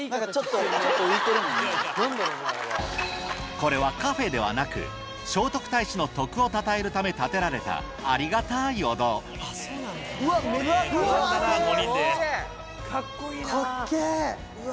これはカフェではなく聖徳太子の徳をたたえるため建てられたありがたいお堂うわ！